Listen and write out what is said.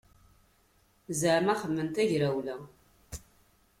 Zaɛma xedmen tagrawla.